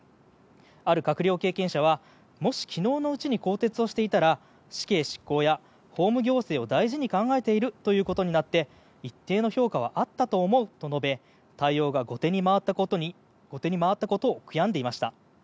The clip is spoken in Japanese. ある閣僚経験者はもし昨日のうちに更迭していたら死刑執行や法務行政を大事に考えているということになって一定の評価はあったと思うと述べ対応が後手に回ったことを悔やんでいました。